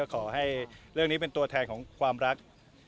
ขอให้เรื่องนี้เป็นตัวแทนของความรัก